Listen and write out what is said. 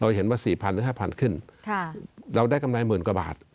เราจะเห็นว่า๔๐๐๐๕๐๐๐ขึ้นเราได้กำไรละ๑๐๐๐๐นิวเกียบสิบบาท